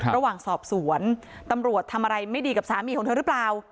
ระหว่างสอบสวนตำรวจทำอะไรไม่ดีกับสามีของเธอหรือเปล่า